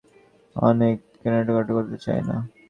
কারণ, হরিজন বলে তাঁদের দোকান থেকে অনেকে কেনাকাটা করতে চান না।